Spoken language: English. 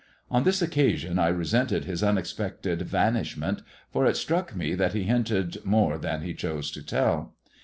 On this occa sion I resented his unexpected vanishment, for it struck me that he hinted more than he chose to tell.